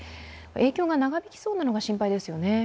影響が長引きそうなのが心配ですよね。